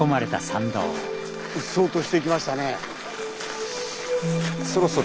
うっそうとしてきましたね。